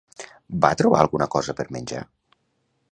Va trobar alguna cosa per menjar?